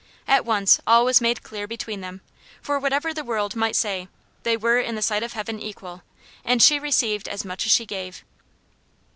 At once all was made clear between them; for whatever the world might say, they were in the sight of heaven equal, and she received as much as she gave.